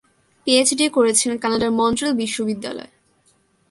PhD করেছেন কানাডার Montreal বিশ্ববিদ্যালয়ে।